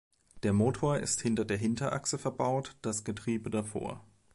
Der Motor ist hinter der Hinterachse verbaut, das Getriebe davor.